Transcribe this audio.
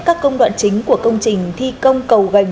các công đoạn chính của công trình thi công cầu gành